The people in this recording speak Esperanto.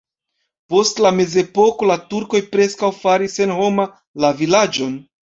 Post la mezepoko la turkoj preskaŭ faris senhoma la vilaĝon.